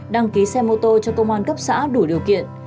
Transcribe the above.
đăng ký xe mô tô cho công an cấp xã đủ điều kiện